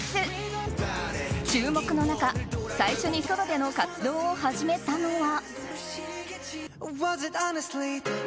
注目の中、最初にソロでの活動を始めたのは。